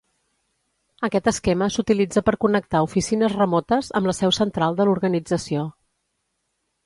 Aquest esquema s'utilitza per connectar oficines remotes amb la seu central de l'organització.